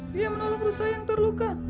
dia menolong rusak yang terluka